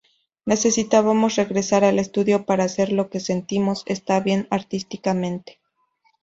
Necesitábamos regresar al estudio para hacer lo que sentimos está bien artísticamente"".